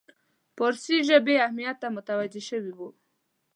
فارسي ژبې اهمیت ته متوجه شوی وو.